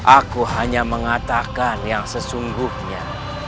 aku hanya mengatakan yang sesungguhnya